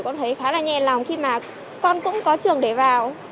con thấy khá là nhẹ lòng khi mà con cũng có trường để vào